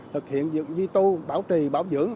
thực hiện dựng di tu bảo trì bảo dưỡng